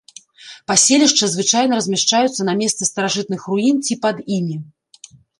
Паселішча звычайна размяшчаюцца на месцы старажытных руін ці пад імі.